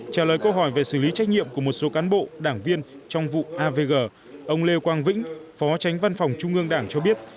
trả lời câu hỏi về xử lý trách nhiệm của một số cán bộ đảng viên trong vụ avg ông lê quang vĩnh phó tránh văn phòng trung ương đảng cho biết